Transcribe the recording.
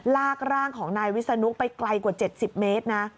ลากร่างของนายวิศนุไปไกลกว่า๗๐เมตรนะ